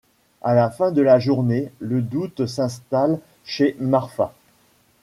À la fin de la journée, le doute s’installe chez Marfa.